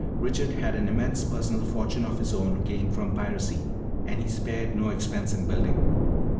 "Richard had an immense personal fortune of his own gained from piracy, and he spared no expense in building.